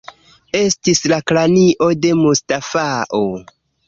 Estis la kranio de Mustafao.